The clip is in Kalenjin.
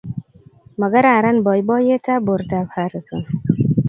Magararan boiboiyetab bortab Harrison